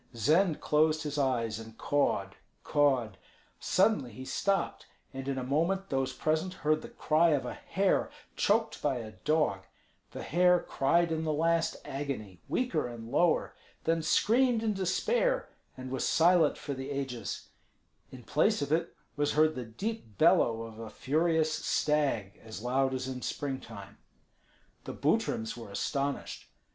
Zend closed his eyes and cawed, cawed. Suddenly he stopped, and in a moment those present heard the cry of a hare choked by a dog; the hare cried in the last agony, weaker and lower, then screamed in despair, and was silent for the ages; in place of it was heard the deep bellow of a furious stag as loud as in spring time. The Butryms were astonished.